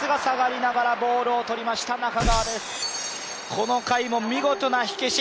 この回も見事な火消し。